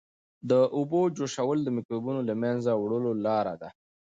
د اوبو جوشول د مکروبونو د له منځه وړلو لاره ده.